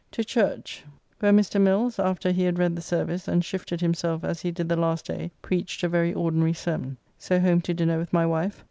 To church, where Mr. Mills, after he had read the service, and shifted himself as he did the last day, preached a very ordinary sermon. So home to dinner with my wife.